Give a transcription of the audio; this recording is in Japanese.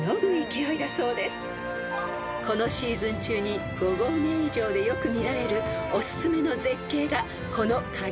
［このシーズン中に５合目以上でよく見られるお薦めの絶景がこの影富士］